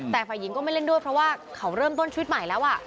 แต่ฝ่ายหญิงก็ไม่เล่นด้วยเพราะว่าเขาเริ่มต้นชีวิตใหม่แล้ว